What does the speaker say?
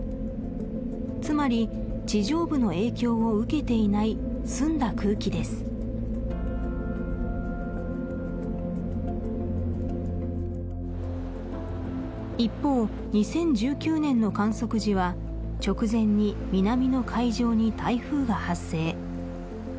つまり地上部の影響を受けていない澄んだ空気です一方２０１９年の観測時は直前に南の海上に台風が発生